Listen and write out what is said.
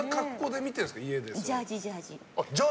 ジャージー、ジャージー。